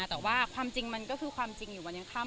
แต่ว่าความจริงมันก็คือความจริงอยู่วันยังค่ำ